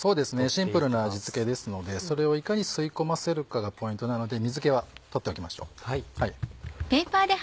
シンプルな味付けですのでそれをいかに吸い込ませるかがポイントなので水気は取っておきましょう。